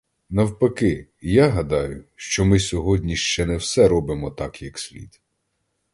Навпаки, я гадаю, що ми сьогодні ще не все робимо так як слід.